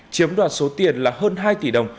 chiếm đoàn số tiền là hơn hai tỷ đồng